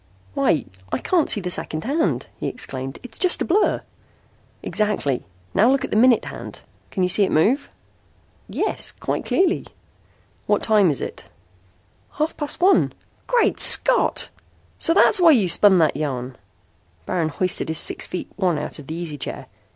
"Why, I can't see the second hand," he exclaimed. "It's just a blur!" "Exactly! Now look at the minute hand. Can you see it move?" "Yes, quite clearly." "What time is it?" [Illustration: A few remained standing like statues.] "Half past one. Great Scott! So that's why you spun that yarn." Baron hoisted his six feet one out of the easy chair.